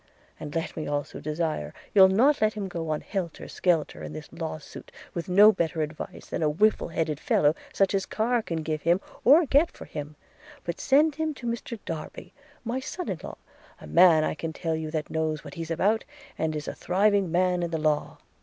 And let me also desire you'll not let him go on helter skelter in this law suit, with no better advice than a whiffled headed fellow such as Carr can give him or get for him; but send him to Mr Darby, my son in law, a man I can tell you that knows what he's about, and is a thriving man in the law.